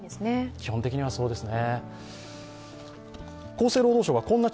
基本的にはそうですね。